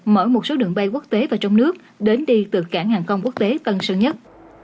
mở một số đường bay quốc tế và trong nước đến đi từ cảng hàng không quốc tế tân sơn nhất